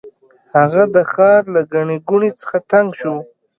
هغه د ښار له ګڼې ګوڼې څخه تنګ شو.